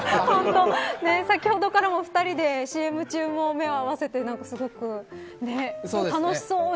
先ほどからもお二人でＣＭ中も目を合わせてすごく楽しそうに。